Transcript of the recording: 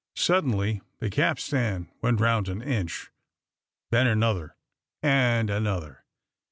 Suddenly the capstan went round an inch; then another and another.